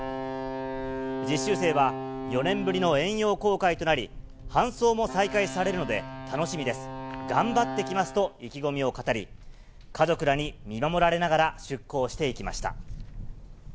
実習生は、４年ぶりの遠洋航海となり、帆走も再開されるので、楽しみです、頑張ってきますと意気込みを語り、家族らに見守られながら出港していきました。